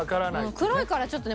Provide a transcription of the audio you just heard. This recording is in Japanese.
黒いからちょっとね